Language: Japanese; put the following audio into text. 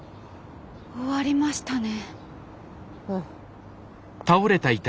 終わりましたね。